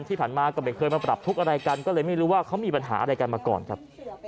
ที่ผ่านมาก็ไม่เคยมาปรับทุกข์อะไรกันก็เลยไม่รู้ว่าเขามีปัญหาอะไรกันมาก่อนครับ